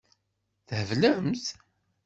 Theblemt?